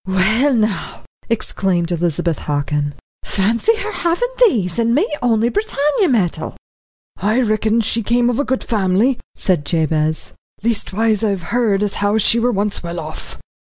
"Well, now," exclaimed Elizabeth Hockin, "fancy her havin' these and me only Britannia metal." "I reckon she came of a good family," said Jabez. "Leastwise, I've heard as how she were once well off."